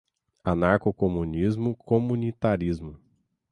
Anarcocomunismo, comunitarismo